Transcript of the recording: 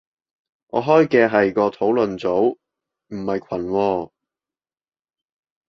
我開嘅係個討論組，唔係群喎